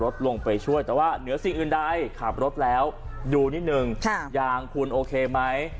แต่ว่าเหนือสิ่งอื่นใดขับรถแล้วอยู่นิดหนึ่งยางคุณโอเคไหม